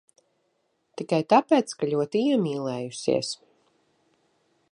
Tikai tāpēc, ka ļoti iemīlējusies.